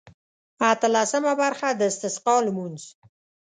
اتلسمه برخه د استسقا لمونځ.